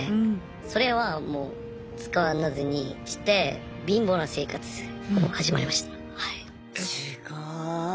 それはもう使わずにして貧乏な生活を始まりました。